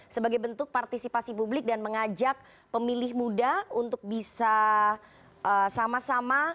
sebagai bentuk partisipasi publik dan mengajak pemilih muda untuk bisa sama sama